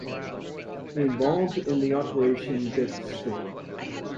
He involved in the Operation Desert Storm.